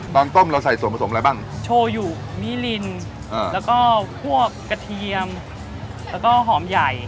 ตอนต้มเราใส่ส่วนผสมอะไรบ้างโชยูมิลินแล้วก็พวกกระเทียมแล้วก็หอมใหญ่